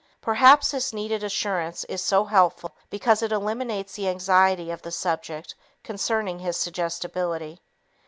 Perhaps this needed assurance is so helpful because it eliminates the anxiety of the subject concerning his suggestibility.